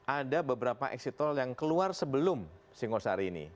ada beberapa exit tol yang keluar sebelum singosari ini